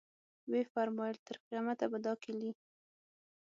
ویې فرمایل تر قیامته به دا کیلي.